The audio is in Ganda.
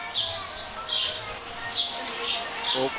Okwewa ekitiibwa kikulu nnyo kubanga n'abantu abalala awo bakikuwa.